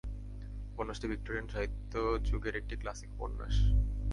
উপন্যাসটি ভিক্টোরিয়ান সাহিত্য যুগের একটি ক্লাসিক উপন্যাস।